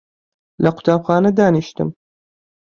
لە قوتابخانە دانیشتم